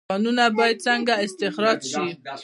کانونه باید څنګه استخراج شي؟